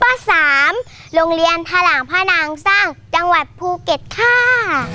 โรงเรียนธรพระนังสร้างจังหวัดภูเก็ตค่า